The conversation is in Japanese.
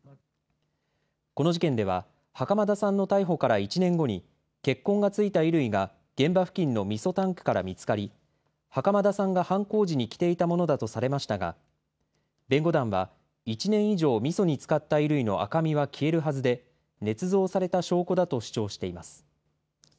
この事件では、袴田さんの逮捕から１年後に、血痕がついた衣類が現場付近のみそタンクから見つかり、袴田さんが犯行時に着ていたものだとされましたが、弁護団は１年以上、みそに漬かった衣類の赤みは消えるはずで、ねつ造された証拠だと主張しています。